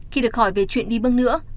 khi được hỏi về chuyện đi bưng nữa